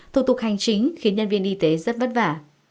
thủ tục hành chính khiến nhân viên y tế rất vất vả